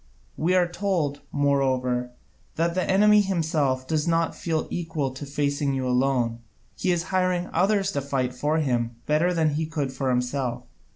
We are told, moreover, that the enemy himself does not feel equal to facing you alone, he is hiring others to fight for him better than he could for himself.